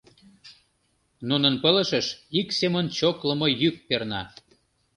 Нунын пылышыш ик семын чоклымо йӱк перна.